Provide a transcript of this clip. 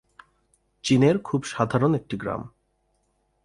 চীনের খুব সাধারণ একটি গ্রাম।